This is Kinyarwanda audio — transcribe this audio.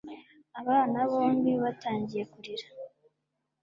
Abana bombi batangiye kurira.